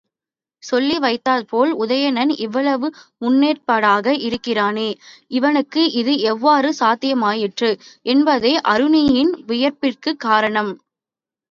சொல்லி வைத்தாற்போல உதயணன் இவ்வளவு முன்னேற்பாடாக இருக்கிறானே இவனுக்கு இது எவ்வாறு சாத்தியமாயிற்று? என்பதே ஆருணியின் வியப்பிற்குக் காரணம்.